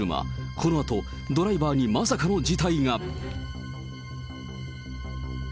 このあとドライバーにまさかの事態が。